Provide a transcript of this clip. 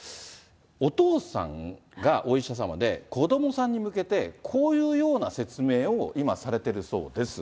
お父さんがお医者様で、子どもさんに向けて、こういうような説明を今、されてるそうです。